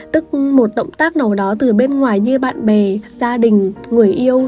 tức một động tác nào đó từ bên ngoài như bạn bè gia đình người yêu